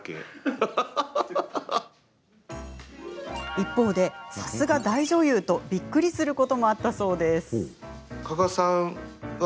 一方で、さすが大女優とびっくりすることもあったそうです。